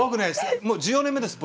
もう１４年目です